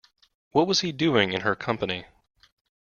What was he doing in her company?